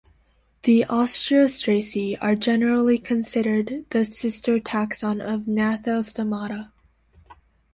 The Osteostraci are generally considered the sister taxon of Gnathostomata.